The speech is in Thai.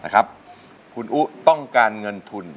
คุณอุ๊ต้องการเงินทุน